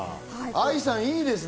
愛さん、いいですね。